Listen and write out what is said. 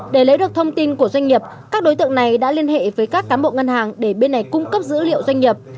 để lấy được thông tin của doanh nghiệp các đối tượng này đã liên hệ với các cán bộ ngân hàng để bên này cung cấp dữ liệu doanh nghiệp